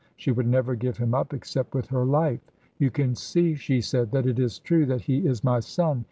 She would never give him up except with her life. 'You can see,' she said, 'that it is true that he is my son.